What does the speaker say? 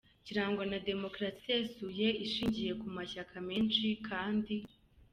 kirangwa na demokarasi isesuye, ishingiye ku mashyaka menshi kandi